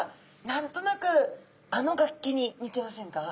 何となくギターの形に似てませんか？